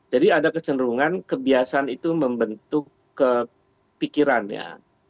jadi ada kesenderungan kebiasaan itu membentuk kepikirannya